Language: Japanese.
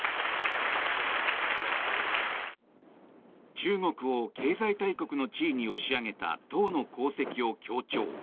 中国を経済大国の地位に押し上げた党の功績を強調。